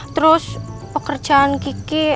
terus pekerjaan kiki